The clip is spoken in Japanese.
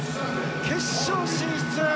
決勝進出！